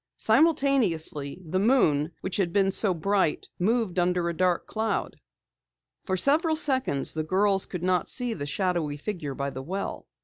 Simultaneously, the moon, which had been so bright, moved under a dark cloud. For several seconds the girls could not see the shadowy figure by the well.